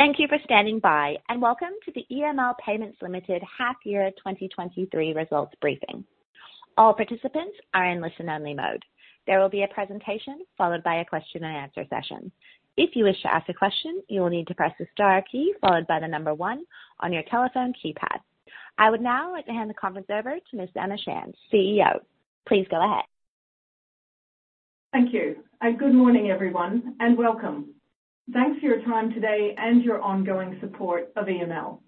Thank you for standing by. Welcome to the EML Payments Limited Half Year 2023 Results Briefing. All participants are in listen-only mode. There will be a presentation followed by a question and answer session. If you wish to ask a question, you will need to press the star key followed by the number one on your telephone keypad. I would now like to hand the conference over to Ms. Emma Shand, CEO. Please go ahead. Thank you, and good morning, everyone, and welcome. Thanks for your time today and your ongoing support of EML.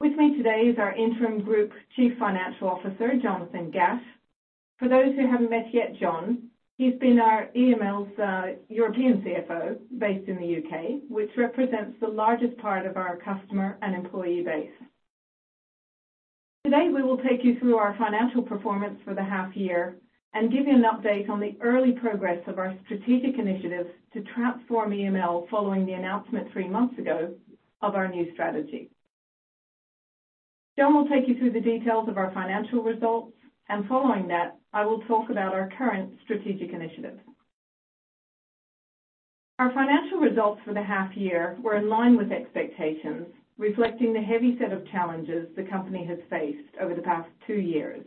With me today is our interim group Chief Financial Officer, Jonathan Gatt. For those who haven't met yet, Jon, he's been our EML's European CFO based in the UK, which represents the largest part of our customer and employee base. Today, we will take you through our financial performance for the half year and give you an update on the early progress of our strategic initiatives to transform EML following the announcement three months ago of our new strategy. John will take you through the details of our financial results, and following that, I will talk about our current strategic initiatives. Our financial results for the half year were in line with expectations, reflecting the heavy set of challenges the company has faced over the past two years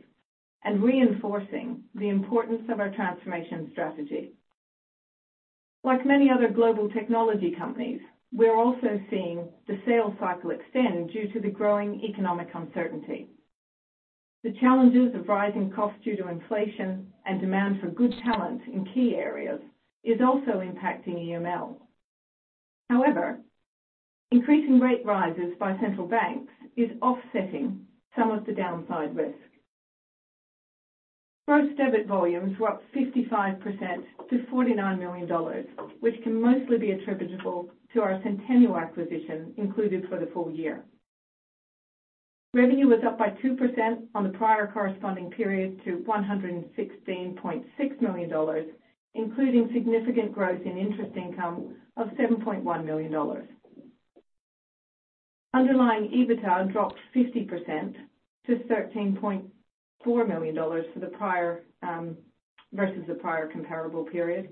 and reinforcing the importance of our transformation strategy. Like many other global technology companies, we're also seeing the sales cycle extend due to the growing economic uncertainty. The challenges of rising costs due to inflation and demand for good talent in key areas is also impacting EML. However, increasing rate rises by central banks is offsetting some of the downside risk. Gross debit volumes were up 55% to $49 million, which can mostly be attributable to our Sentenial acquisition included for the full year. Revenue was up by 2% on the prior corresponding period to $116.6 million, including significant growth in interest income of $7.1 million. Underlying EBITDA dropped 50% to $13.4 million for the prior versus the prior comparable period.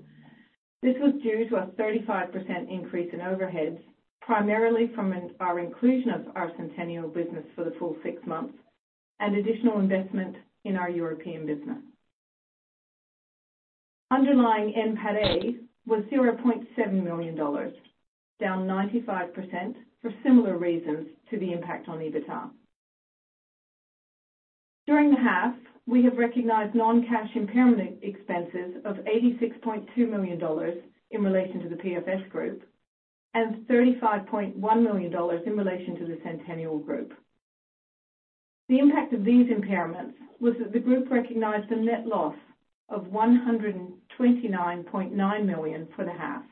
This was due to a 35% increase in overheads, primarily from our inclusion of our Sentenial business for the full six months and additional investment in our European business. Underlying NPATA was $0.7 million, down 95% for similar reasons to the impact on EBITDA. During the half, we have recognized non-cash impairment expenses of $86.2 million in relation to the PFS Group and $35.1 million in relation to the Sentenial Group. The impact of these impairments was that the group recognized a net loss of $129.9 million for the half.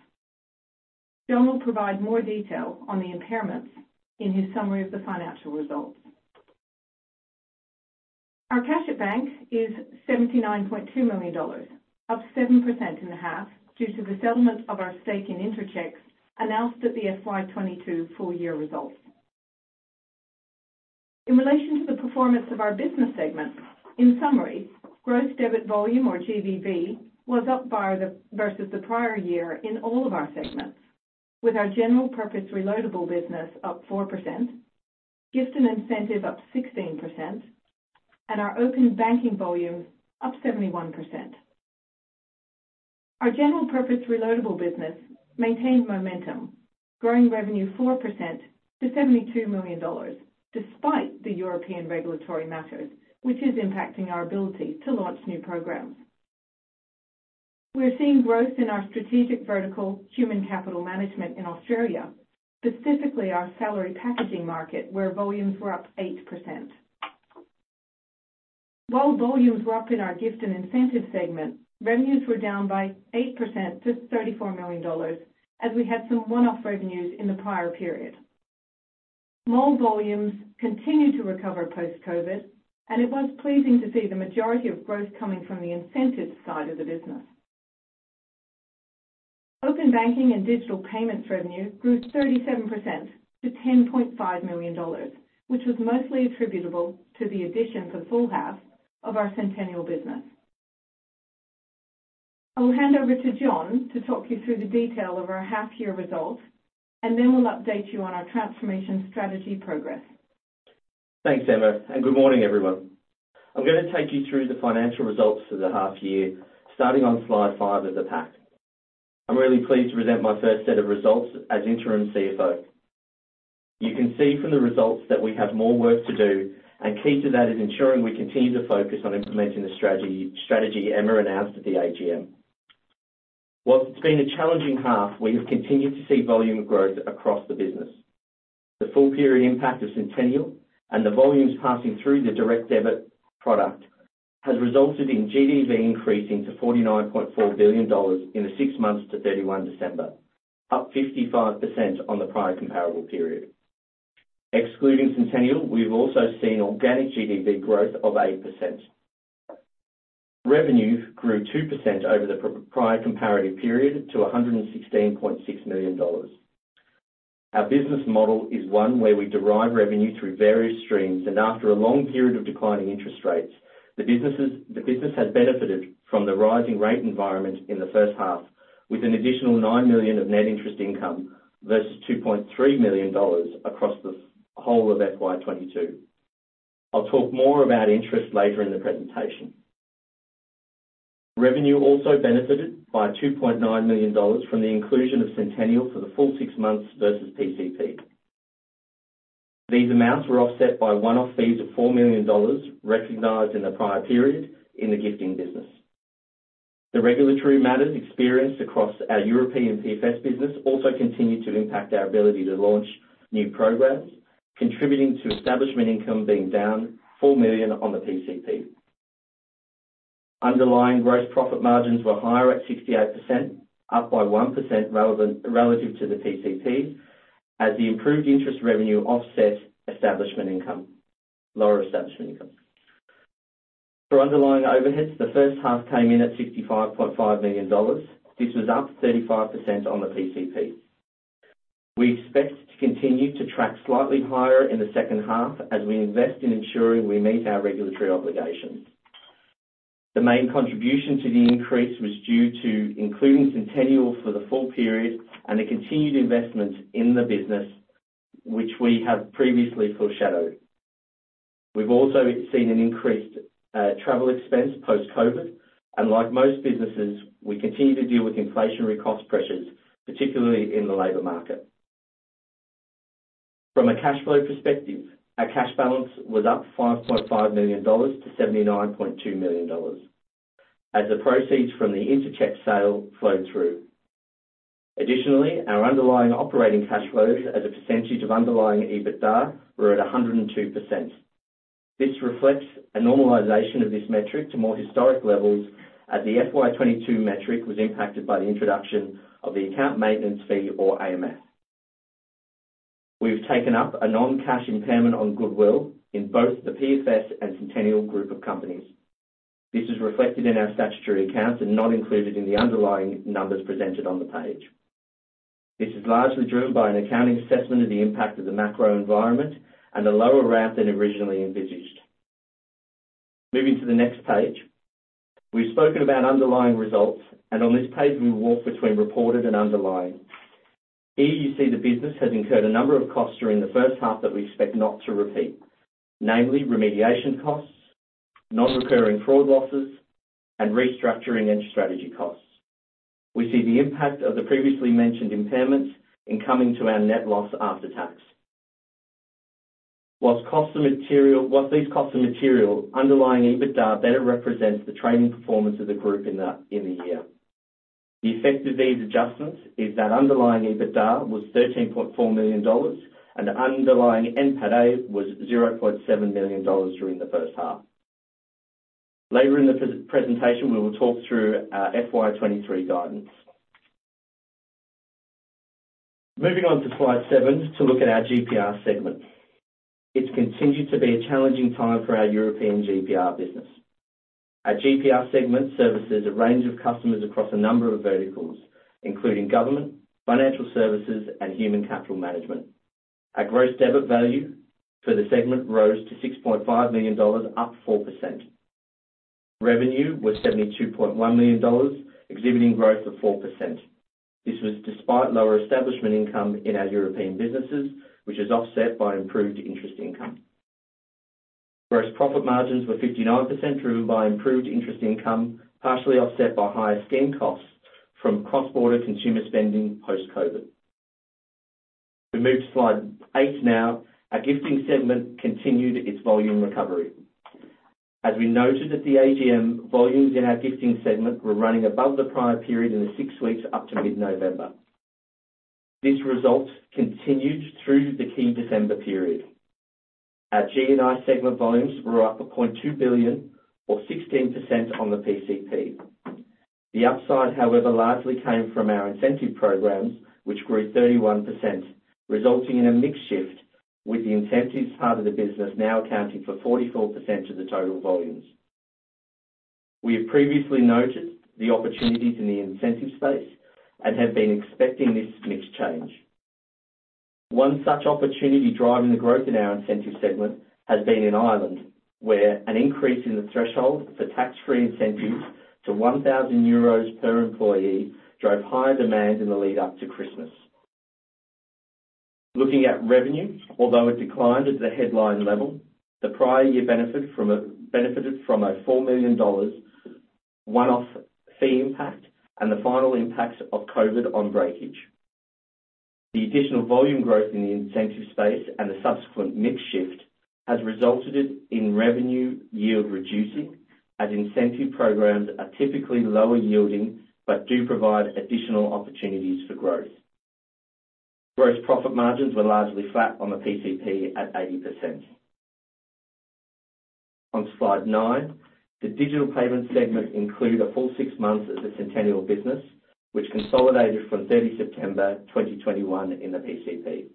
John will provide more detail on the impairments in his summary of the financial results. Our cash at bank is $79.2 million, up 7% in the half due to the settlement of our stake in Interchecks announced at the FY22 full year results. In relation to the performance of our business segment, in summary, gross debit volume or GDV was versus the prior year in all of our segments. With our general purpose reloadable business up 4%, gift and incentive up 16%, and our open banking volumes up 71%. Our general purpose reloadable business maintained momentum, growing revenue 4% to $72 million despite the European regulatory matters, which is impacting our ability to launch new programs. We're seeing growth in our strategic vertical human capital management in Australia, specifically our salary packaging market, where volumes were up 8%. While volumes were up in our gift and incentive segment, revenues were down by 8% to $34 million as we had some one-off revenues in the prior period. Mall volumes continued to recover post-COVID, and it was pleasing to see the majority of growth coming from the incentive side of the business. Open Banking and digital payments revenue grew 37% to $10.5 million, which was mostly attributable to the addition for full half of our Sentenial business. I'll hand over to Jon to talk you through the detail of our half year results, and then we'll update you on our transformation strategy progress. Thanks, Emma, good morning, everyone. I'm gonna take you through the financial results for the half year, starting on slide five of the pack. I'm really pleased to present my first set of results as interim CFO. You can see from the results that we have more work to do, key to that is ensuring we continue to focus on implementing the strategy Emma announced at the AGM. While it's been a challenging half, we have continued to see volume growth across the business. The full period impact of Sentenial and the volumes passing through the Direct Debit product has resulted in GDV increasing to $49.4 billion in the six months to 31 December, up 55% on the prior comparable period. Excluding Sentenial, we've also seen organic GDV growth of 8%. Revenue grew 2% over the prior comparative period to $116.6 million. Our business model is one where we derive revenue through various streams. After a long period of declining interest rates, the business has benefited from the rising rate environment in the first half, with an additional $9 million of net interest income versus $2.3 million across the whole of FY22. I'll talk more about interest later in the presentation. Revenue also benefited by $2.9 million from the inclusion of Sentenial for the full six months versus PCP. These amounts were offset by one-off fees of $4 million recognized in the prior period in the gifting business. The regulatory matters experienced across our European PFS business also continued to impact our ability to launch new programs, contributing to establishment income being down $4 million on the PCP. Underlying gross profit margins were higher at 68%, up by 1% relative to the PCP as the improved interest revenue offset lower establishment income. For underlying overheads, the first half came in at $65.5 million. This was up 35% on the PCP. We expect to continue to track slightly higher in the second half as we invest in ensuring we meet our regulatory obligations. The main contribution to the increase was due to including Sentenial for the full period and the continued investments in the business, which we have previously foreshadowed. We've also seen an increased travel expense post-COVID. Like most businesses, we continue to deal with inflationary cost pressures, particularly in the labor market. From a cash flow perspective, our cash balance was up $5.5 million to $79.2 million as the proceeds from the Interchecks sale flowed through. Our underlying operating cash flows as a percentage of underlying EBITDA were at 102%. This reflects a normalization of this metric to more historic levels, as the FY22 metric was impacted by the introduction of the account maintenance fee, or AMF. We've taken up a non-cash impairment on goodwill in both the PFS and Sentenial Group of companies. This is reflected in our statutory accounts and not included in the underlying numbers presented on the page. This is largely driven by an accounting assessment of the impact of the macro environment and a lower ramp than originally envisaged. Moving to the next page. We've spoken about underlying results. On this page, we walk between reported and underlying. Here you see the business has incurred a number of costs during the first half that we expect not to repeat. Namely, remediation costs, non-recurring fraud losses, and restructuring and strategy costs. We see the impact of the previously mentioned impairments in coming to our net loss after tax. Whilst these costs of material, underlying EBITDA better represents the trading performance of the group in the year. The effect of these adjustments is that underlying EBITDA was $13.4 million and underlying NPATA was $0.7 million during the first half. Later in the presentation, we will talk through our FY23 guidance. Moving on to slide seven to look at our GPR segment. It's continued to be a challenging time for our European GPR business. Our GPR segment services a range of customers across a number of verticals, including government, financial services, and human capital management. Our gross debit value for the segment rose to $6.5 million, up 4%. Revenue was $72.1 million, exhibiting growth of 4%. This was despite lower establishment income in our European businesses, which is offset by improved interest income. Gross profit margins were 59%, driven by improved interest income, partially offset by higher scheme costs from cross-border consumer spending post-COVID. We move to slide 8 now. Our gifting segment continued its volume recovery. As we noted at the AGM, volumes in our gifting segment were running above the prior period in the 6 weeks up to mid-November. This result continued through the key December period. Our GNI segment volumes were up 0.2 billion or 16% on the PCP. The upside, however, largely came from our incentive programs, which grew 31%, resulting in a mix shift with the incentives part of the business now accounting for 44% of the total volumes. We have previously noted the opportunities in the incentive space and have been expecting this mix change. One such opportunity driving the growth in our incentive segment has been in Ireland, where an increase in the threshold for tax-free incentives to 1,000 euros per employee drove higher demand in the lead up to Christmas. Looking at revenue, although it declined at the headline level, the prior year benefited from a $4 million one-off fee impact and the final impact of COVID on breakage. The additional volume growth in the incentive space and the subsequent mix shift has resulted in revenue yield reducing as incentive programs are typically lower yielding, but do provide additional opportunities for growth. Gross profit margins were largely flat on the PCP at 80%. On slide nine, the digital payment segment include a full six months as a Sentenial business, which consolidated from 30 September 2021 in the PCP.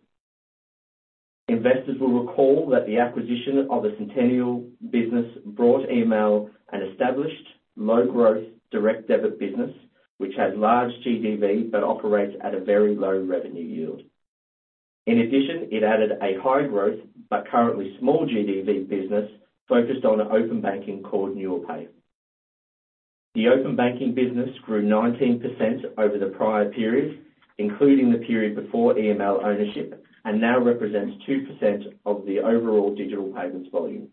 Investors will recall that the acquisition of the Sentenial business brought EML an established low growth Direct Debit business, which has large GDV but operates at a very low revenue yield. In addition, it added a high growth, but currently small GDV business focused on open banking called Nuapay. The open banking business grew 19% over the prior period, including the period before EML ownership, and now represents 2% of the overall digital payments volume.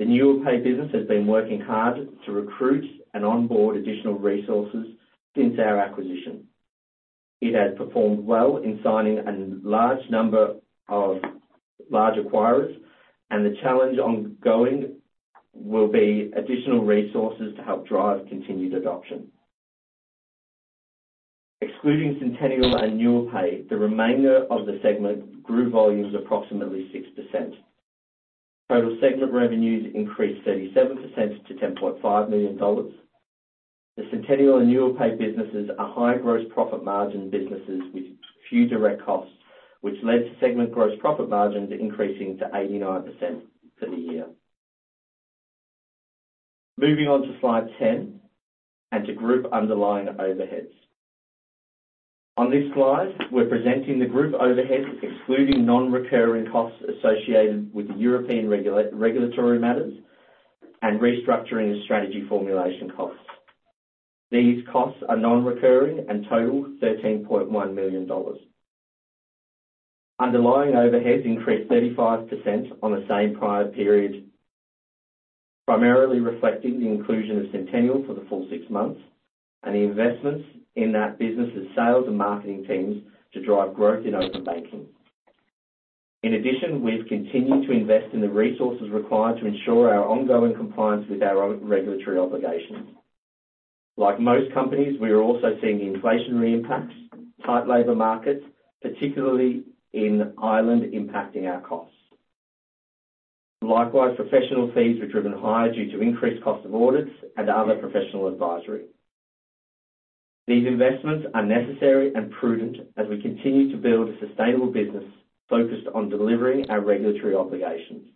The Nuapay business has been working hard to recruit and onboard additional resources since our acquisition. It has performed well in signing a large number of large acquirers, and the challenge ongoing will be additional resources to help drive continued adoption. Excluding Sentenial and Nuapay, the remainder of the segment grew volumes approximately 6%. Total segment revenues increased 37% to $10.5 million. The Sentenial and Nuapay businesses are high gross profit margin businesses with few direct costs, which led to segment gross profit margins increasing to 89% for the year. Moving on to slide 10 and to group underlying overheads. On this slide, we're presenting the group overheads excluding non-recurring costs associated with the European regulatory matters and restructuring the strategy formulation costs. These costs are non-recurring and total $13.1 million. Underlying overheads increased 35% on the same prior period, primarily reflecting the inclusion of Sentenial for the full six months and the investments in that business' sales and marketing teams to drive growth in open banking. In addition, we've continued to invest in the resources required to ensure our ongoing compliance with our own regulatory obligations. Like most companies, we are also seeing inflationary impacts, tight labor markets, particularly in Ireland, impacting our costs. Likewise, professional fees were driven higher due to increased cost of audits and other professional advisory. These investments are necessary and prudent as we continue to build a sustainable business focused on delivering our regulatory obligations.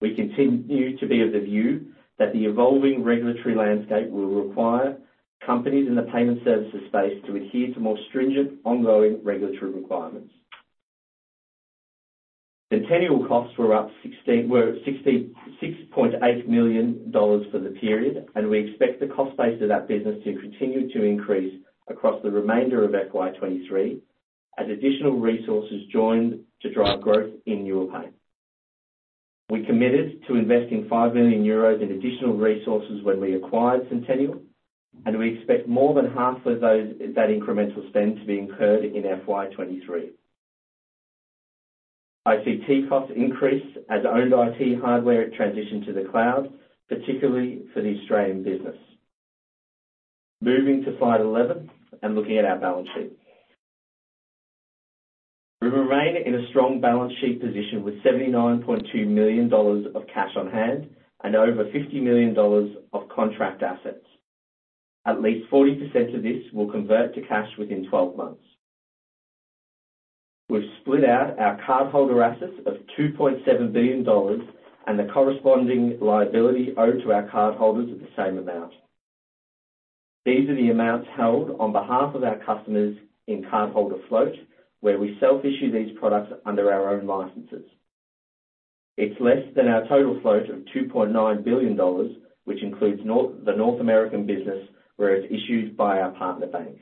We continue to be of the view that the evolving regulatory landscape will require companies in the payment services space to adhere to more stringent, ongoing regulatory requirements. Sentenial costs were $6.8 million for the period, and we expect the cost base of that business to continue to increase across the remainder of FY23 as additional resources join to drive growth in Nuapay. We committed to investing 5 million euros in additional resources when we acquired Sentenial, and we expect more than half of those, that incremental spend to be incurred in FY23. ICT costs increased as owned IT hardware transitioned to the cloud, particularly for the Australian business. Moving to slide 11 and looking at our balance sheet. We remain in a strong balance sheet position with $79.2 million of cash on hand and over $50 million of contract assets. At least 40% of this will convert to cash within 12 months. We've split out our cardholder assets of $2.7 billion and the corresponding liability owed to our cardholders of the same amount. These are the amounts held on behalf of our customers in cardholder float, where we self-issue these products under our own licenses. It's less than our total float of $2.9 billion, which includes North, the North American business, where it's issued by our partner bank.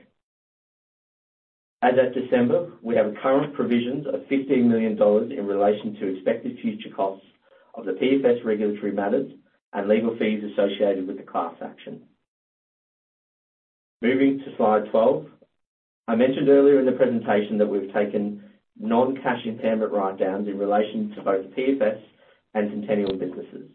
As at December, we have current provisions of $15 million in relation to expected future costs of the PFS regulatory matters and legal fees associated with the class action. Moving to slide 12. I mentioned earlier in the presentation that we've taken non-cash impairment write-downs in relation to both PFS and Sentenial businesses.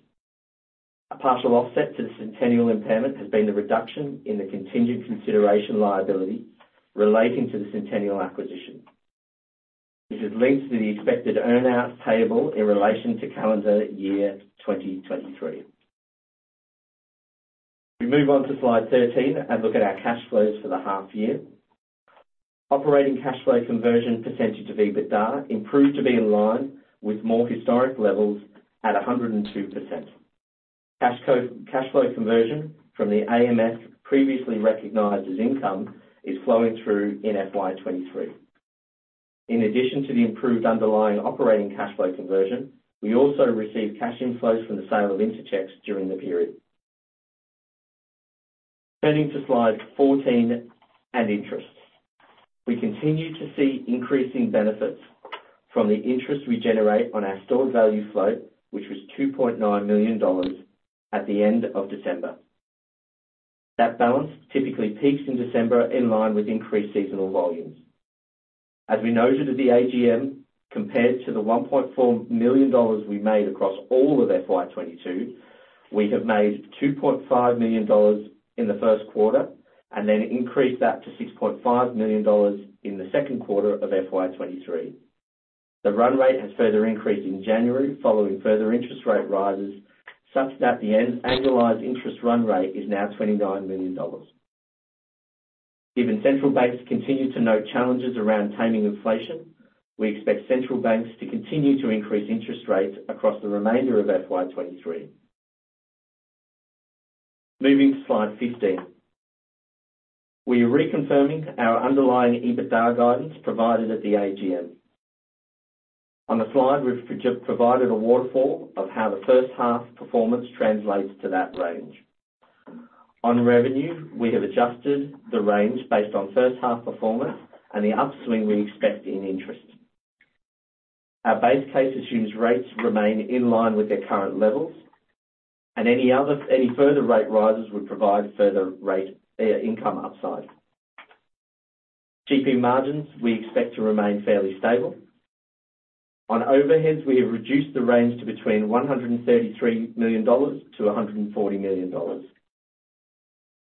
A partial offset to the Sentenial impairment has been the reduction in the contingent consideration liability relating to the Sentenial acquisition, which has linked to the expected earn-out payable in relation to calendar year 2023. We move on to slide 13 and look at our cash flows for the half year. Operating cash flow conversion percentage of EBITDA improved to be in line with more historic levels at 102%. Cash flow conversion from the AMS previously recognized as income is flowing through in FY23. In addition to the improved underlying operating cash flow conversion, we also received cash inflows from the sale of Interchecks during the period. Turning to slide 14 and interests. We continue to see increasing benefits from the interest we generate on our stored value float, which was $2.9 million at the end of December. That balance typically peaks in December in line with increased seasonal volumes. As we noted at the AGM, compared to the $1.4 million we made across all of FY22, we have made $2.5 million in the Q1 and then increased that to $6.5 million in the Q2 of FY23. The run rate has further increased in January following further interest rate rises, such that the annualized interest run rate is now $29 million. Central banks continue to note challenges around taming inflation, we expect central banks to continue to increase interest rates across the remainder of FY23. Moving to slide 15. We are reconfirming our underlying EBITDA guidance provided at the AGM. On the slide, we've provided a waterfall of how the first half performance translates to that range. On revenue, we have adjusted the range based on first half performance and the upswing we expect in interest. Our base case assumes rates remain in line with their current levels, and any further rate rises would provide further rate income upside. GP margins, we expect to remain fairly stable. On overheads, we have reduced the range to between $133 million-$140 million.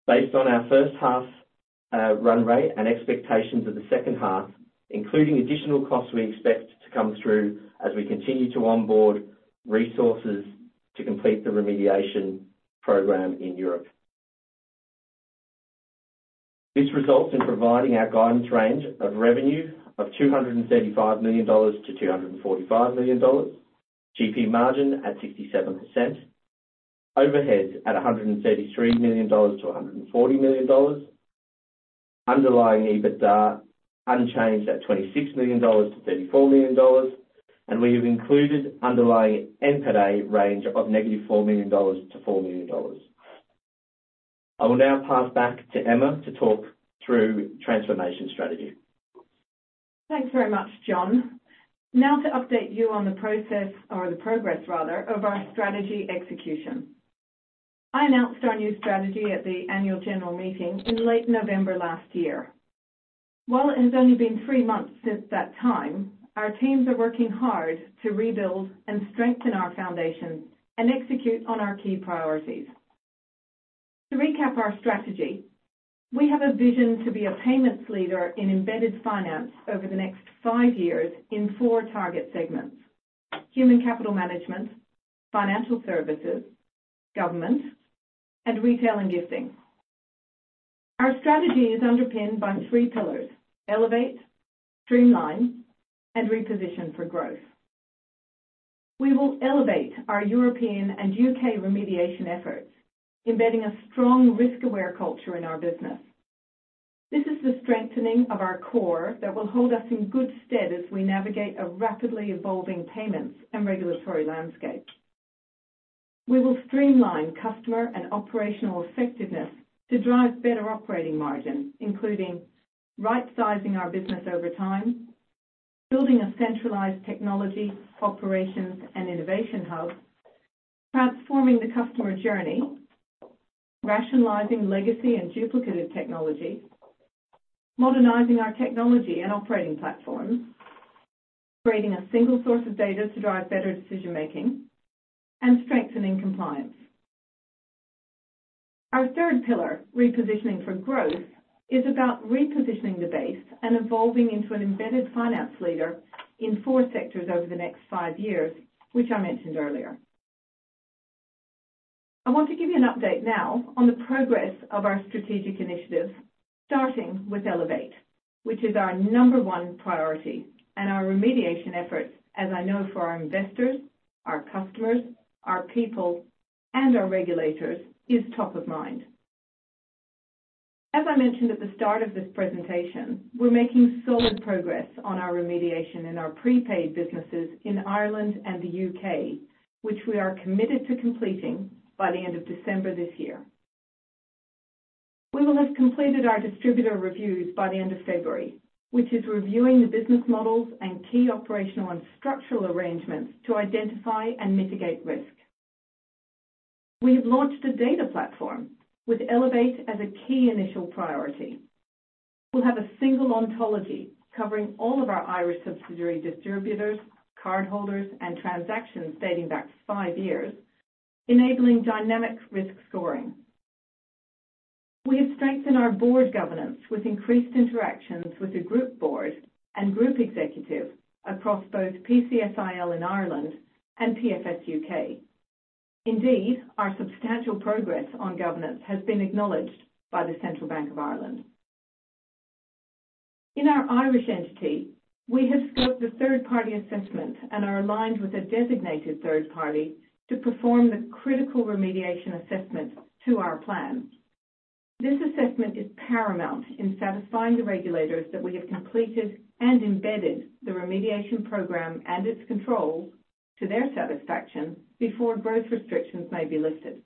Based on our first half run rate and expectations of the second half, including additional costs we expect to come through as we continue to onboard resources to complete the remediation program in Europe. This results in providing our guidance range of revenue of $235 million-$245 million, GP margin at 67%, overhead at $133 million-$140 million. Underlying EBITDA unchanged at $26 million to $34 million. We have included underlying NPATA range of -$4 million to $4 million. I will now pass back to Emma to talk through transformation strategy. Thanks very much, Jon. To update you on the progress rather, of our strategy execution. I announced our new strategy at the annual general meeting in late November last year. While it has only been three months since that time, our teams are working hard to rebuild and strengthen our foundation and execute on our key priorities. To recap our strategy, we have a vision to be a payments leader in embedded finance over the next five years in four target segments: human capital management, financial services, government, and retail and gifting. Our strategy is underpinned by three pillars: Elevate, streamline, and reposition for growth. We will elevate our European and U.K. remediation efforts, embedding a strong risk-aware culture in our business. This is the strengthening of our core that will hold us in good stead as we navigate a rapidly evolving payments and regulatory landscape. We will streamline customer and operational effectiveness to drive better operating margins, including right sizing our business over time, building a centralized technology, operations and innovation hub, transforming the customer journey, rationalizing legacy and duplicated technology, modernizing our technology and operating platforms, creating a single source of data to drive better decision-making, and strengthening compliance. Our third pillar, repositioning for growth, is about repositioning the base and evolving into an embedded finance leader in four sectors over the next five years, which I mentioned earlier. I want to give you an update now on the progress of our strategic initiatives, starting with Elevate, which is our number one priority and our remediation efforts, as I know for our investors, our customers, our people, and our regulators, is top of mind. As I mentioned at the start of this presentation, we're making solid progress on our remediation in our prepaid businesses in Ireland and the U.K., which we are committed to completing by the end of December this year. We will have completed our distributor reviews by the end of February, which is reviewing the business models and key operational and structural arrangements to identify and mitigate risk. We have launched a data platform with Elevate as a key initial priority. We'll have a single ontology covering all of our Irish subsidiary distributors, cardholders, and transactions dating back five years, enabling dynamic risk scoring. We have strengthened our board governance with increased interactions with the group board and group executive across both PCSIL in Ireland and PFS UK. Our substantial progress on governance has been acknowledged by the Central Bank of Ireland. In our Irish entity, we have scoped a third-party assessment and are aligned with a designated third party to perform the critical remediation assessment to our plans. This assessment is paramount in satisfying the regulators that we have completed and embedded the remediation program and its controls to their satisfaction before growth restrictions may be lifted.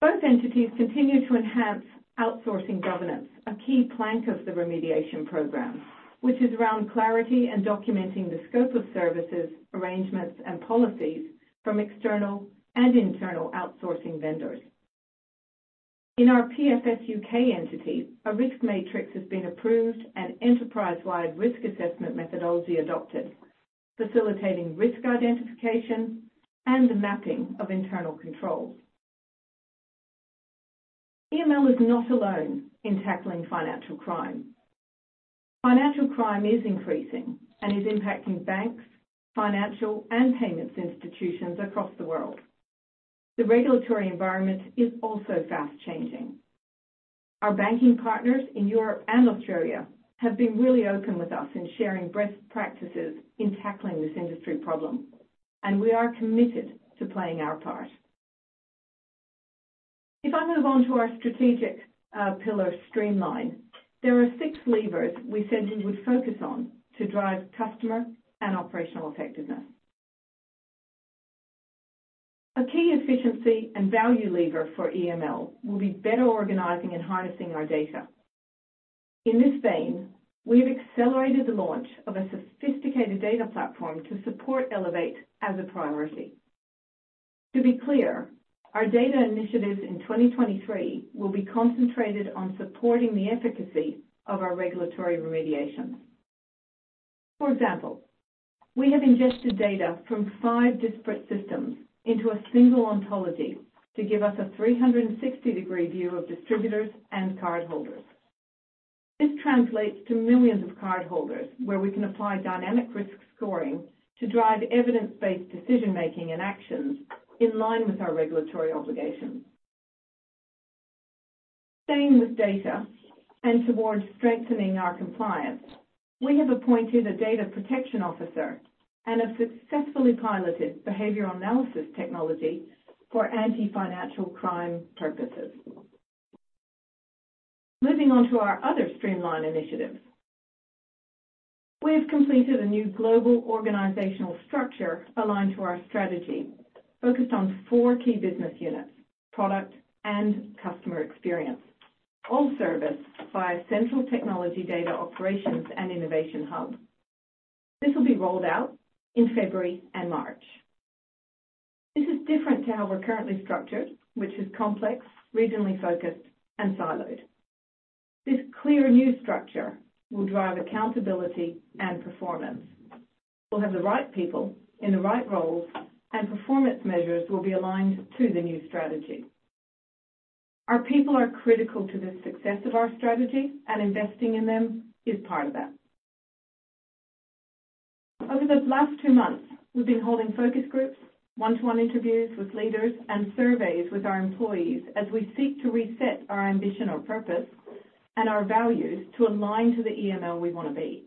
Both entities continue to enhance outsourcing governance, a key plank of the remediation program, which is around clarity and documenting the scope of services, arrangements, and policies from external and internal outsourcing vendors. In our PFS UK entity, a risk matrix has been approved and enterprise-wide risk assessment methodology adopted, facilitating risk identification and the mapping of internal controls. EML is not alone in tackling financial crime. Financial crime is increasing and is impacting banks, financial, and payments institutions across the world. The regulatory environment is also fast-changing. Our banking partners in Europe and Australia have been really open with us in sharing best practices in tackling this industry problem, and we are committed to playing our part. If I move on to our strategic pillar streamline, there are six levers we said we would focus on to drive customer and operational effectiveness. A key efficiency and value lever for EML will be better organizing and harnessing our data. In this vein, we've accelerated the launch of a sophisticated data platform to support Elevate as a priority. To be clear, our data initiatives in 2023 will be concentrated on supporting the efficacy of our regulatory remediation. For example, we have ingested data from five disparate systems into a single ontology to give us a 360-degree view of distributors and cardholders. This translates to millions of cardholders, where we can apply dynamic risk scoring to drive evidence-based decision-making and actions in line with our regulatory obligations. Staying with data and towards strengthening our compliance, we have appointed a Data Protection Officer and have successfully piloted Behavioral analysis technology for anti-financial crime purposes. Moving on to our other streamline initiatives. We have completed a new global organizational structure aligned to our strategy, focused on four key business units, product, and customer experience, all serviced by a central technology data operations and innovation hub. This will be rolled out in February and March. This is different to how we're currently structured, which is complex, regionally focused, and siloed. This clear new structure will drive accountability and performance. We'll have the right people in the right roles, and performance measures will be aligned to the new strategy. Our people are critical to the success of our strategy, and investing in them is part of that. Over the last two months, we've been holding focus groups, one-to-one interviews with leaders, and surveys with our employees as we seek to reset our ambition or purpose and our values to align to the EML we want to be.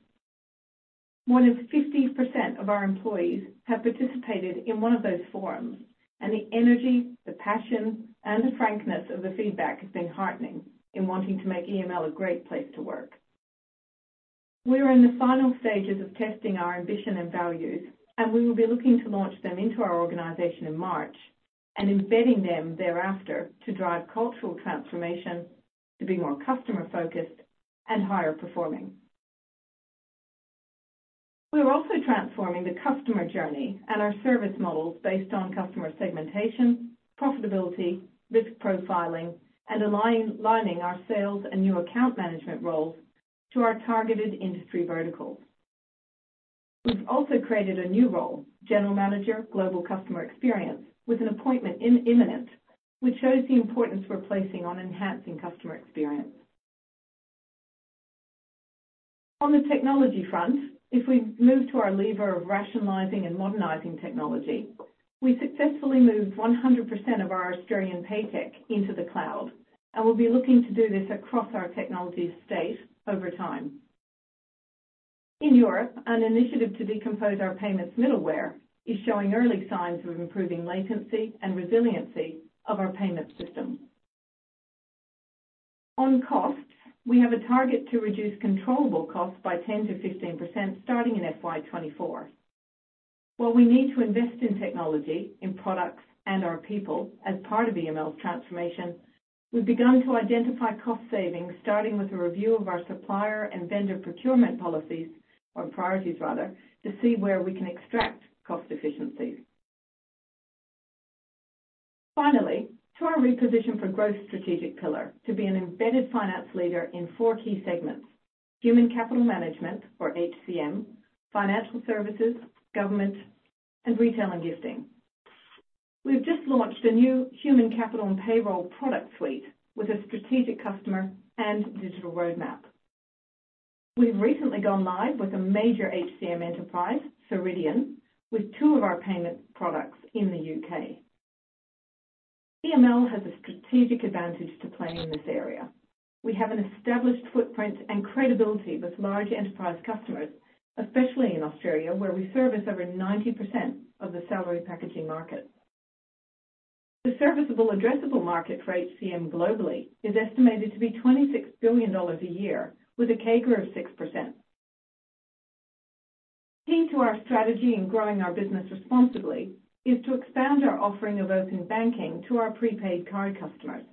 More than 50% of our employees have participated in one of those forums, and the energy, the passion, and the frankness of the feedback has been heartening in wanting to make EML a great place to work. We are in the final stages of testing our ambition and values, and we will be looking to launch them into our organization in March and embedding them thereafter to drive cultural transformation to be more customer-focused and higher performing. We are also transforming the customer journey and our service models based on customer segmentation, profitability, risk profiling, and aligning our sales and new account management roles to our targeted industry verticals. We've also created a new role, general manager, global customer experience, with an appointment imminent, which shows the importance we're placing on enhancing customer experience. On the technology front, if we move to our lever of rationalizing and modernizing technology, we successfully moved 100% of our Australian paytech into the cloud, and we'll be looking to do this across our technology estate over time. In Europe, an initiative to decompose our payments middleware is showing early signs of improving latency and resiliency of our payment system. On cost, we have a target to reduce controllable costs by 10%-15%, starting in FY24. While we need to invest in technology, in products, and our people as part of EML's transformation, we've begun to identify cost savings, starting with a review of our supplier and vendor procurement policies or priorities rather, to see where we can extract cost efficiencies. To our reposition for growth strategic pillar to be an embedded finance leader in four key segments: human capital management or HCM, financial services, government, and retail and gifting. We've just launched a new human capital and payroll product suite with a strategic customer and digital roadmap. We've recently gone live with a major HCM enterprise, Ceridian, with two of our payment products in the U.K. EML has a strategic advantage to play in this area. We have an established footprint and credibility with large enterprise customers, especially in Australia, where we service over 90% of the salary packaging market. The serviceable addressable market for HCM globally is estimated to be $26 billion a year with a CAGR of 6%. Key to our strategy in growing our business responsibly is to expand our offering of open banking to our prepaid card customers.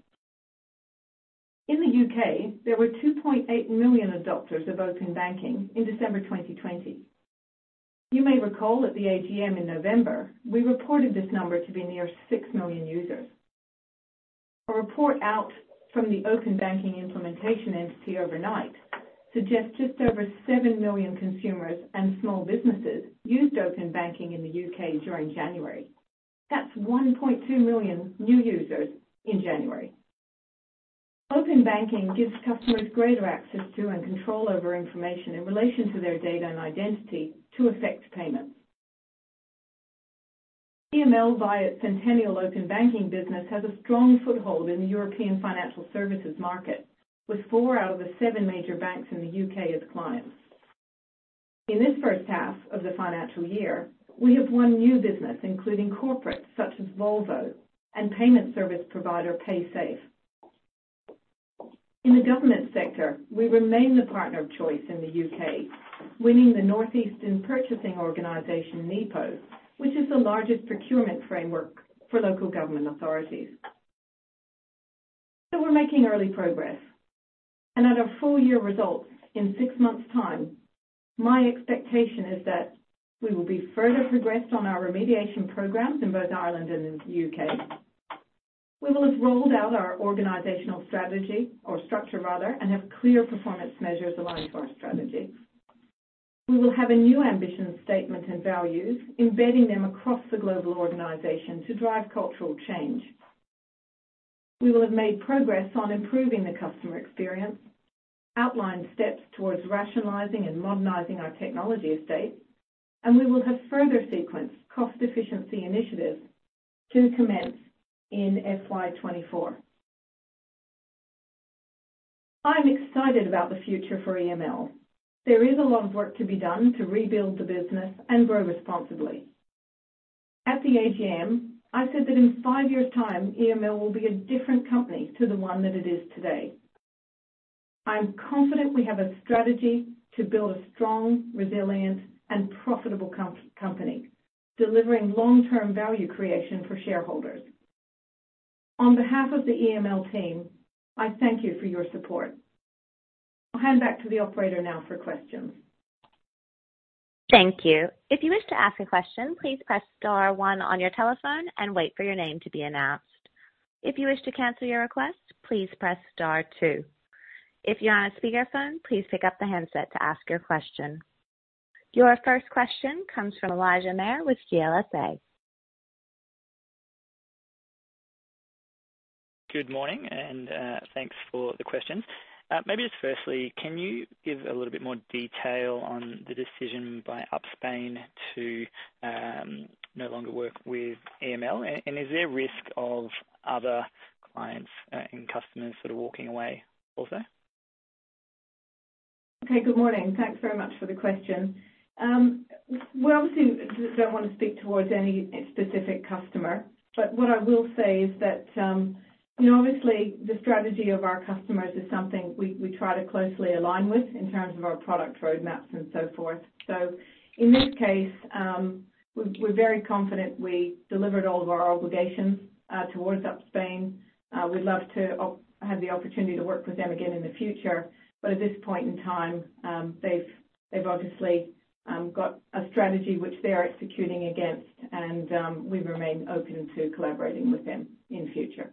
In the UK, there were 2.8 million adopters of open banking in December 2020. You may recall at the AGM in November, we reported this number to be near 6 million users. A report out from the Open Banking Implementation Entity overnight suggests just over 7 million consumers and small businesses used open banking in the UK during January. That's 1.2 million new users in January. Open banking gives customers greater access to and control over information in relation to their data and identity to affect payments. EML via its Sentenial open banking business has a strong foothold in the European financial services market, with four out of the seven major banks in the U.K. as clients. In this first half of the financial year, we have won new business, including corporates such as Volvo and payment service provider Paysafe. In the government sector, we remain the partner of choice in the U.K., winning the North East Procurement Organisation, NEPO, which is the largest procurement framework for local government authorities. We're making early progress. At our full year results in six months' time, my expectation is that we will be further progressed on our remediation programs in both Ireland and in the U.K. We will have rolled out our organizational strategy or structure rather, and have clear performance measures aligned to our strategy. We will have a new ambition statement and values, embedding them across the global organization to drive cultural change. We will have made progress on improving the customer experience, outlined steps towards rationalizing and modernizing our technology estate. We will have further sequenced cost efficiency initiatives to commence in FY24. I'm excited about the future for EML. There is a lot of work to be done to rebuild the business and grow responsibly. At the AGM, I said that in five years' time, EML will be a different company to the one that it is today. I'm confident we have a strategy to build a strong, resilient, and profitable company, delivering long-term value creation for shareholders. On behalf of the EML team, I thank you for your support. I'll hand back to the operator now for questions. Thank you. If you wish to ask a question, please press star one on your telephone and wait for your name to be announced. If you wish to cancel your request, please press star two. If you're on a speakerphone, please pick up the handset to ask your question. Your first question comes from Elijah Mayer with CLSA. Good morning, and thanks for the questions. Maybe just firstly, can you give a little bit more detail on the decision by Up Spain to no longer work with EML. Is there a risk of other clients and customers sort of walking away also? Okay. Good morning. Thanks very much for the question. We obviously don't wanna speak towards any specific customer, but what I will say is that, you know, obviously, the strategy of our customers is something we try to closely align with in terms of our product roadmaps and so forth. In this case, we're very confident we delivered all of our obligations towards Up Spain. We'd love to have the opportunity to work with them again in the future. At this point in time, they've obviously got a strategy which they are executing against, and we remain open to collaborating with them in future.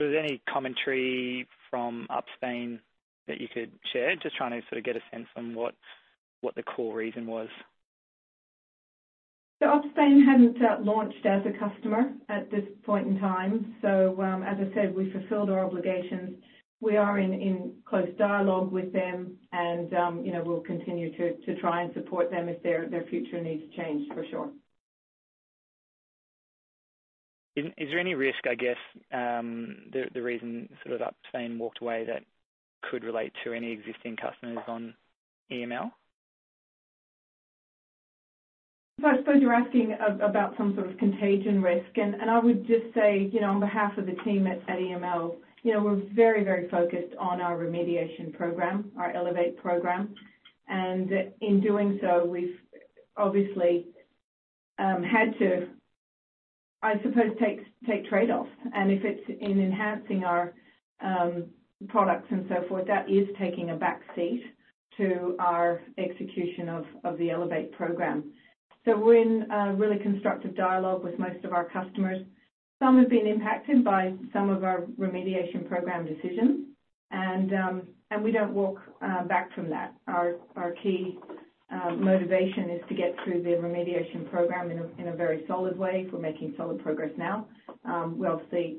Was there any commentary from Up Spain that you could share? Just trying to sort of get a sense on what the core reason was. Up Spain hadn't launched as a customer at this point in time. As I said, we fulfilled our obligations. We are in close dialogue with them and, you know, we'll continue to try and support them if their future needs change for sure. Is there any risk, I guess, the reason sort of Up Spain walked away that could relate to any existing customers on EML? I suppose you're asking about some sort of contagion risk. I would just say, you know, on behalf of the team at EML, you know, we're very, very focused on our remediation program, our Elevate program. In doing so, we've obviously had to, I suppose, take trade-offs. If it's in enhancing our products and so forth, that is taking a back seat to our execution of the Elevate program. We're in a really constructive dialogue with most of our customers. Some have been impacted by some of our remediation program decisions, and we don't walk back from that. Our key motivation is to get through the remediation program in a very solid way. We're making solid progress now. We obviously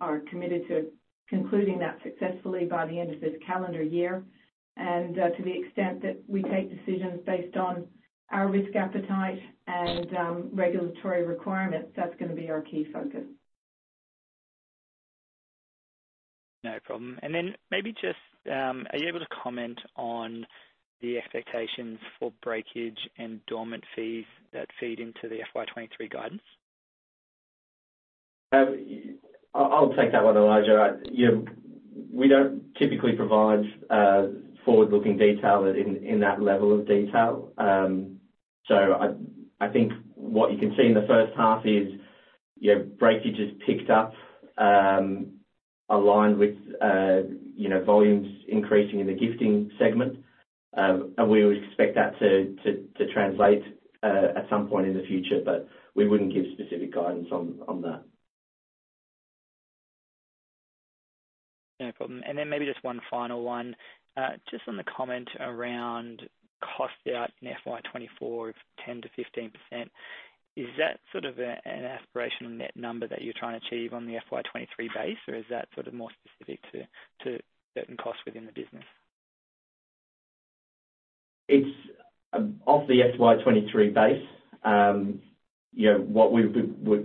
are committed to concluding that successfully by the end of this calendar year. To the extent that we take decisions based on our risk appetite and regulatory requirements, that's gonna be our key focus. No problem. Then maybe just, are you able to comment on the expectations for breakage and dormant fees that feed into the FY23 guidance? I'll take that one, Elijah. You know, we don't typically provide forward-looking detail in that level of detail. I think what you can see in the first half is, you know, breakage has picked up, aligned with, you know, volumes increasing in the gifting segment. We would expect that to translate at some point in the future, but we wouldn't give specific guidance on that. No problem. Then maybe just one final one. Just on the comment around cost out in FY24 of 10%-15%, is that sort of an aspirational net number that you're trying to achieve on the FY23 base or is that sort of more specific to certain costs within the business? It's off the FY23 base. you know,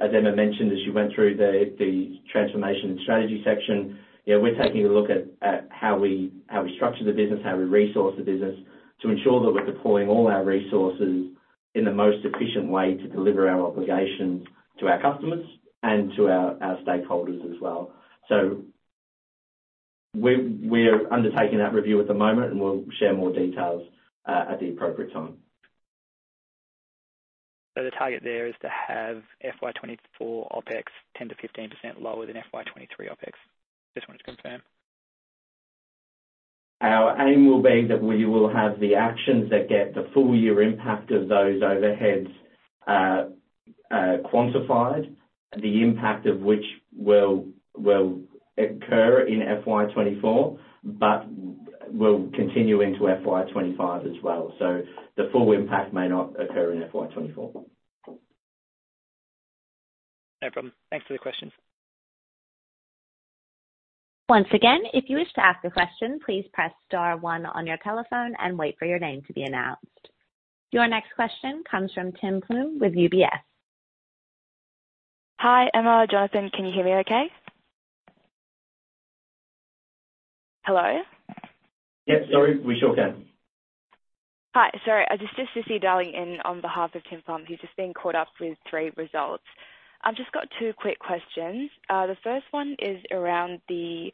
As Emma mentioned, as she went through the transformation and strategy section, you know, we're taking a look at how we, how we structure the business, how we resource the business to ensure that we're deploying all our resources in the most efficient way to deliver our obligations to our customers and to our stakeholders as well. We are undertaking that review at the moment, and we'll share more details at the appropriate time. The target there is to have FY24 OpEx 10%-15% lower than FY23 OpEx. Just wanted to confirm. Our aim will be that we will have the actions that get the full year impact of those overheads, quantified, the impact of which will occur in FY24, but will continue into FY25 as well. The full impact may not occur in FY24. No problem. Thanks for the question. Once again, if you wish to ask a question, please press star one on your telephone and wait for your name to be announced. Your next question comes from Tim Plumbe with UBS. Hi, Emma, Jonathan, can you hear me okay? Hello? Yep. Sorry. We sure can. Hi. Sorry. I was just CC dialing in on behalf of Tim Plumbe, who's just been caught up with three results. I've just got two quick questions. The first one is around the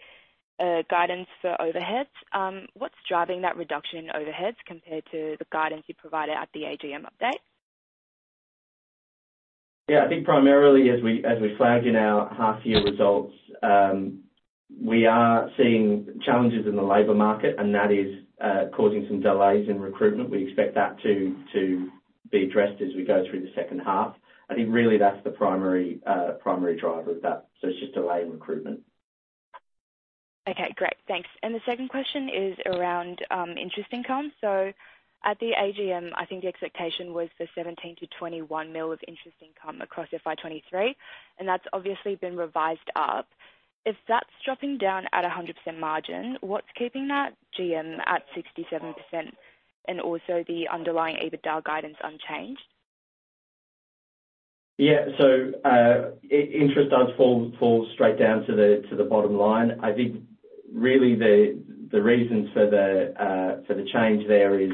guidance for overheads. What's driving that reduction in overheads compared to the guidance you provided at the AGM update? Yeah, I think primarily as we flagged in our half year results, we are seeing challenges in the labor market and that is causing some delays in recruitment. We expect that to be addressed as we go through the second half. I think really that's the primary driver of that. It's just delay in recruitment. Okay, great. Thanks. The second question is around interest income. At the AGM, I think the expectation was for $17 million-$21 million of interest income across FY23, and that's obviously been revised up. If that's dropping down at a 100% margin, what's keeping that GM at 67% and also the underlying EBITDA guidance unchanged? Yeah. Interest does fall straight down to the bottom line. I think really the reasons for the change there is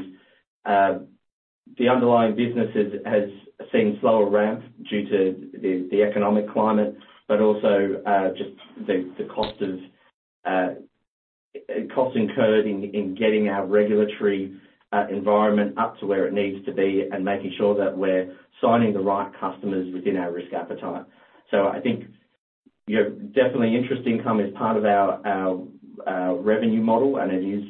the underlying business has seen slower ramp due to the economic climate, but also just the cost of costs incurred in getting our regulatory environment up to where it needs to be and making sure that we're signing the right customers within our risk appetite. I think, you know, definitely interest income is part of our revenue model, and it is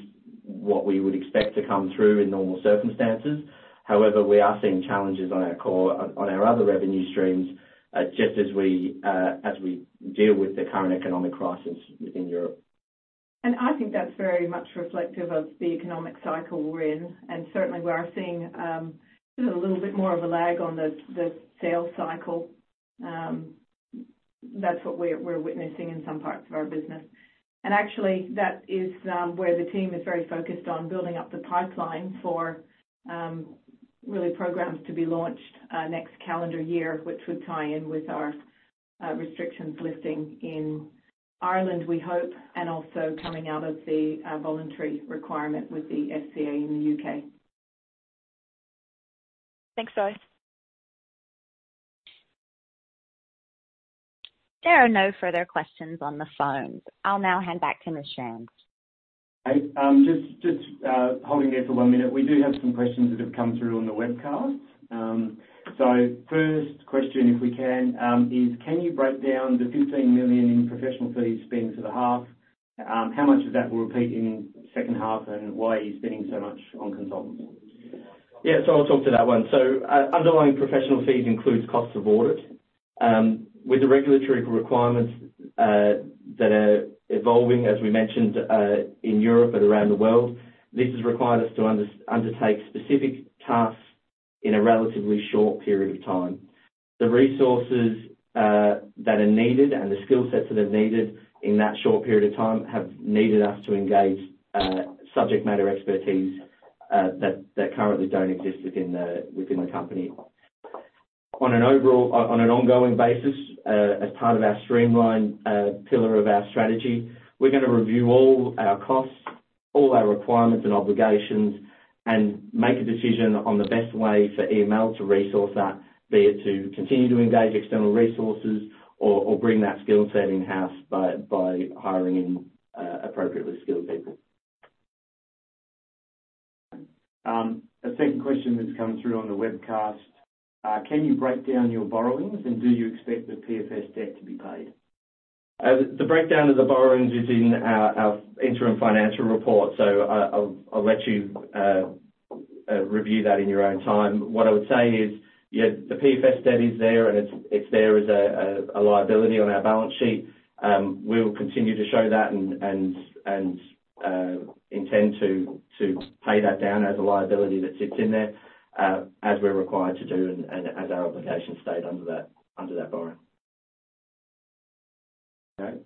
what we would expect to come through in normal circumstances. However, we are seeing challenges on our core, on our other revenue streams, just as we deal with the current economic crisis within Europe. I think that's very much reflective of the economic cycle we're in. Certainly we are seeing sort of a little bit more of a lag on the sales cycle. That's what we're witnessing in some parts of our business. Actually that is where the team is very focused on building up the pipeline for really programs to be launched next calendar year, which would tie in with our restrictions lifting in Ireland, we hope, and also coming out of the voluntary requirement with the FCA in the UK. Thanks guys. There are no further questions on the phone. I'll now hand back to Ms. Shand. Great. Just holding there for one minute. We do have some questions that have come through on the webcast. First question, if we can, is can you break down the $15 million in professional fees spent for the half? How much of that will repeat in second half and why are you spending so much on consultants? I'll talk to that one. Underlying professional fees includes costs of audit. With the regulatory requirements that are evolving, as we mentioned, in Europe and around the world, this has required us to undertake specific tasks in a relatively short period of time. The resources that are needed and the skill sets that are needed in that short period of time have needed us to engage subject matter expertise that currently don't exist within the company. On an ongoing basis, as part of our streamline pillar of our strategy, we're gonna review all our costs, all our requirements and obligations and make a decision on the best way for EML to resource that, be it to continue to engage external resources or bring that skill set in-house by hiring appropriately skilled people. A second question that's come through on the webcast. Can you break down your borrowings and do you expect the PFS debt to be paid? The breakdown of the borrowings is in our interim financial report. I'll let you review that in your own time. What I would say is, yeah, the PFS debt is there, and it's there as a liability on our balance sheet. We will continue to show that and intend to pay that down as a liability that sits in there as we're required to do and as our obligation state under that borrowing. Okay.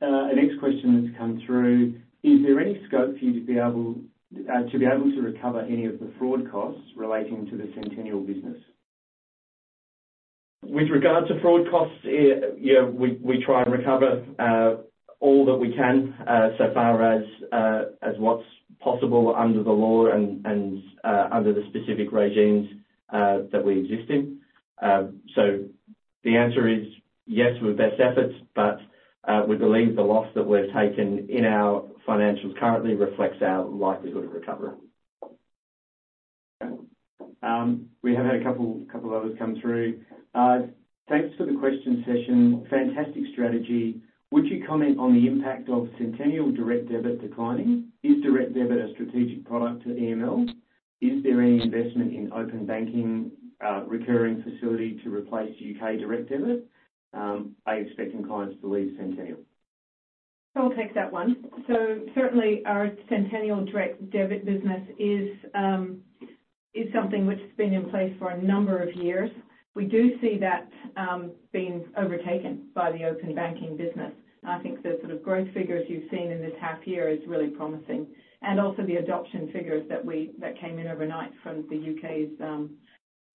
The next question that's come through: Is there any scope for you to be able to recover any of the fraud costs relating to the Sentenial business? With regard to fraud costs, yeah, we try and recover all that we can, so far as what's possible under the law and under the specific regimes, that we exist in. The answer is yes, with best efforts, but, we believe the loss that we've taken in our financials currently reflects our likelihood of recovery. Okay. We have had a couple others come through. Thanks for the question session. Fantastic strategy. Would you comment on the impact of Sentenial Direct Debit declining? Is Direct Debit a strategic product to EML? Is there any investment in open banking, recurring facility to replace UK Direct Debit? Are you expecting clients to leave Sentenial? I'll take that one. Certainly our Sentenial Direct Debit business is something which has been in place for a number of years. We do see that being overtaken by the open banking business. I think the sort of growth figures you've seen in this half year is really promising, and also the adoption figures that came in overnight from the U.K.'s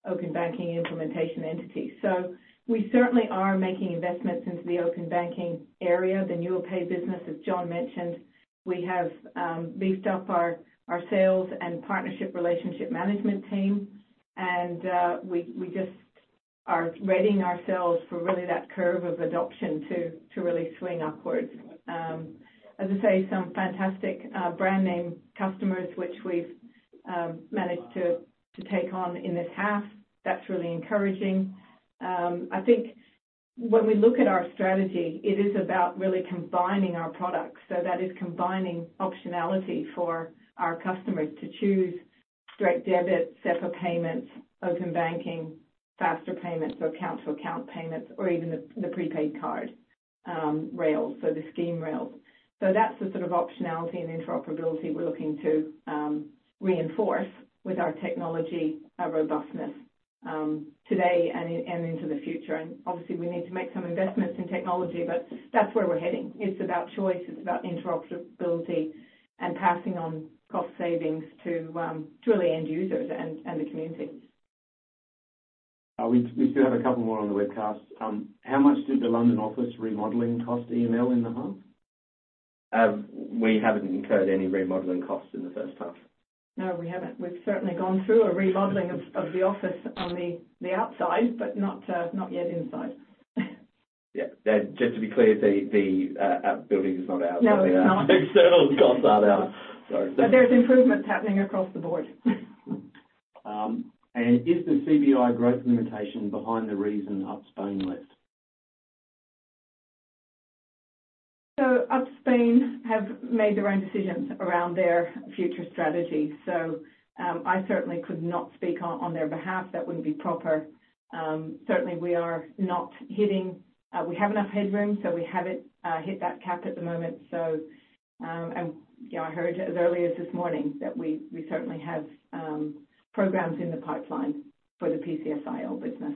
Open Banking Implementation Entity. We certainly are making investments into the open banking area, the Nuapay business, as John mentioned. We have beefed up our sales and partnership relationship management team. We just are readying ourselves for really that curve of adoption to really swing upwards. As I say, some fantastic brand name customers which we've managed to take on in this half. That's really encouraging. I think when we look at our strategy, it is about really combining our products. That is combining optionality for our customers to choose Direct Debit, SEPA Payments, Open Banking, Faster Payments or Account-to-Account Payments, or even the Prepaid card rails. The scheme rails. That's the sort of optionality and interoperability we're looking to reinforce with our technology, our robustness today and into the future. Obviously we need to make some investments in technology, but that's where we're heading. It's about choice, it's about interoperability and passing on cost savings to really end users and the community. We still have a couple more on the webcast. How much did the London office remodeling cost EML in the half? We haven't incurred any remodeling costs in the first half. No, we haven't. We've certainly gone through a remodeling of the office on the outside, but not yet inside. Yeah. Just to be clear, the building's not ours. No, it's not. Externals costs are ours. Sorry. There's improvements happening across the board. Is the CBI growth limitation behind the reason Up Spain left? Up Spain have made their own decisions around their future strategy. I certainly could not speak on their behalf. That wouldn't be proper. We have enough headroom, so we haven't hit that cap at the moment. I heard as early as this morning that we certainly have programs in the pipeline for the PCSIL business.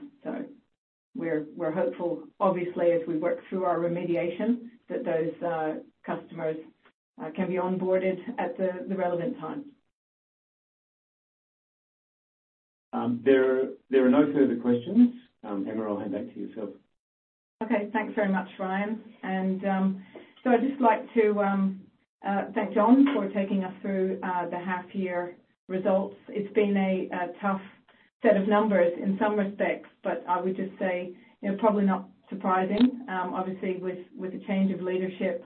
We're hopeful, obviously, as we work through our remediation, that those customers can be onboarded at the relevant time. There are no further questions. Emma, I'll hand back to you. Okay. Thanks very much, Ryan. I'd just like to thank Jon for taking us through the half year results. It's been a tough set of numbers in some respects, but I would just say, you know, probably not surprising. Obviously with the change of leadership,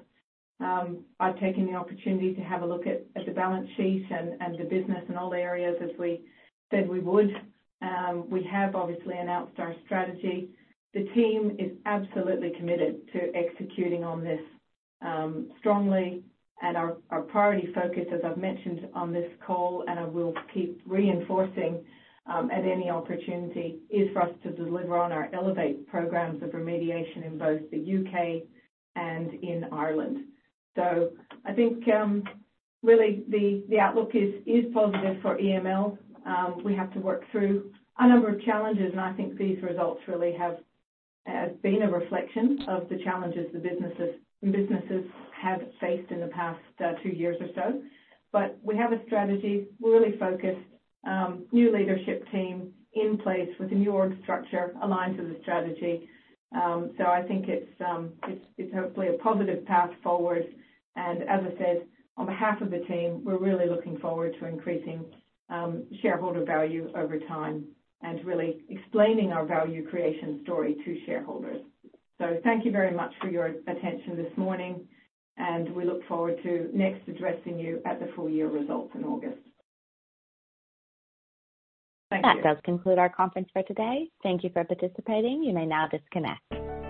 I've taken the opportunity to have a look at the balance sheet and the business and all the areas as we said we would. We have obviously announced our strategy. The team is absolutely committed to executing on this strongly. Our priority focus, as I've mentioned on this call and I will keep reinforcing at any opportunity, is for us to deliver on our Elevate programs of remediation in both the UK and in Ireland. I think really the outlook is positive for EML. We have to work through a number of challenges, and I think these results really have been a reflection of the challenges the businesses have faced in the past two years or so. We have a strategy. We're really focused, new leadership team in place with a new org structure aligned to the strategy. I think it's hopefully a positive path forward. As I said, on behalf of the team, we're really looking forward to increasing shareholder value over time and really explaining our value creation story to shareholders. Thank you very much for your attention this morning, and we look forward to next addressing you at the full year results in August. Thank you. That does conclude our conference for today. Thank you for participating. You may now disconnect.